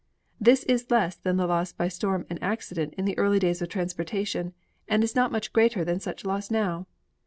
This is less than the loss by storm and accident in the earlier days of transportation and is not much greater than such loss now.